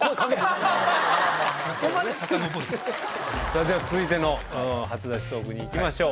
そこまでさかのぼる？では続いての初出しトークに行きましょう。